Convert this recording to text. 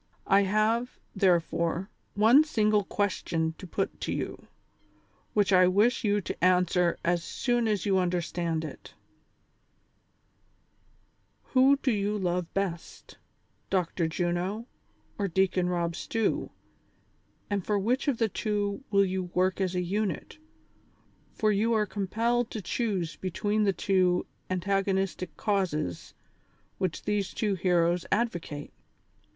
I have, therefore, one single question to put to you, which I wish you to answer as soon as you understand it :— Who do you love best, Dr. Juno or Deacon Rob Stew, and for which of the two will you work as a unit, for you are compelled to choose be tween the two antagonistic causes which these two heroes advocate